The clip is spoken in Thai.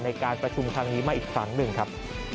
ในการประชุมครั้งนี้มาอีกครั้งหนึ่งครับ